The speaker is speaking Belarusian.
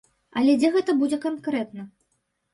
Але дзе гэта будзе канкрэтна?